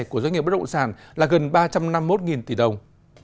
của doanh nghiệp bất động sản là gần ba trăm năm mươi một tỷ đồng